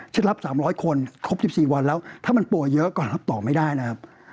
รับ๓๐๐คนครบ๑๔วันแล้วถ้ามันป่วยเยอะก็รับต่อไม่ได้นะครับ